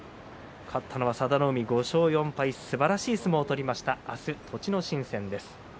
勝ったのは佐田の海５勝４敗、すばらしい相撲を取りました。